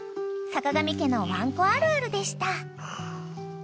［坂上家のワンコあるあるでした］